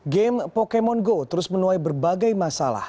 game pokemon go terus menuai berbagai masalah